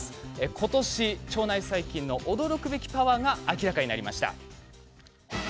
今年、腸内細菌の驚くべきパワーが明らかになりました。